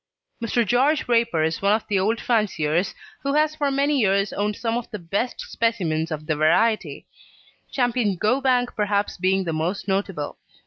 Mr. George Raper is one of the old fanciers who has for many years owned some of the best specimens of the variety, Ch. Go Bang perhaps being the most notable.